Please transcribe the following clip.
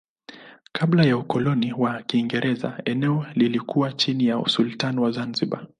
Kabla ya ukoloni wa Kiingereza eneo lilikuwa chini ya usultani wa Zanzibar.